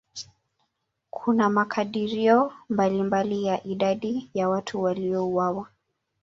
Kuna makadirio mbalimbali ya idadi ya watu waliouawa.